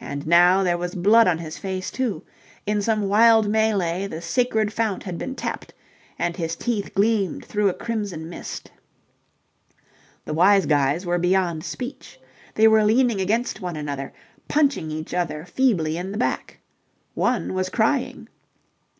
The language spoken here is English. And now there was blood on his face, too. In some wild mêlée the sacred fount had been tapped, and his teeth gleamed through a crimson mist. The Wise Guys were beyond speech. They were leaning against one another, punching each other feebly in the back. One was crying.